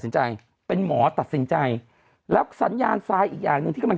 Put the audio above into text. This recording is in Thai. สินใจเป็นหมอตัดสินใจแล้วสัญญาณทรายอีกอย่างหนึ่งที่กำลัง